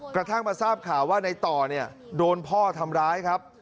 กระทั่งมาทราบข่าวว่าในต่อเนี่ยโดนพ่อทำร้ายครับ